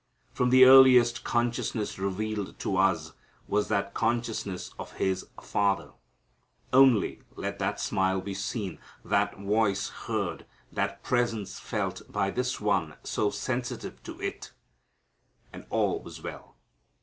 From the earliest consciousness revealed to us was that consciousness of His Father. Only let that smile be seen, that voice heard, that presence felt by this One so sensitive to it, and all was well.